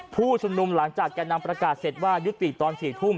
ผู้ชุมนุมหลังจากแก่นำประกาศเสร็จว่ายุติตอน๔ทุ่ม